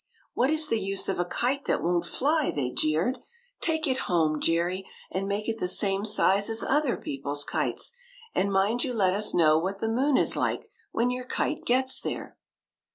'' What is the use of a kite that won't fly ?" they jeered. "Take it home, Jerry, and make it the same size as other people's kites ! And mind you let us know what the moon is like, when your kite gets there